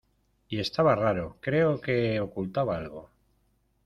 y estaba raro. creo que ocultaba algo .